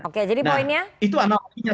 oke jadi poinnya